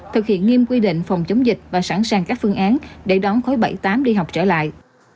thực hiện nghiêm quy định phòng chống dịch và sẵn sàng các phương án để đón khói bảy tám đi học trở lại